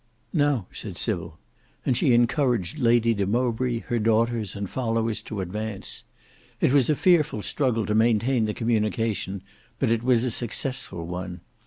"Now," said Sybil, and she encouraged Lady de Mowbray, her daughters, and followers to advance. It was a fearful struggle to maintain the communication, but it was a successful one.